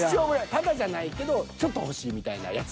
タダじゃないけどちょっと欲しいみたいなやつ。